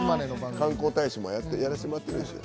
観光大使をやらせてもらっているでしょう？